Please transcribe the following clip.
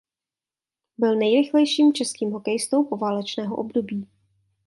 Byl nejrychlejším českým hokejistou poválečného období.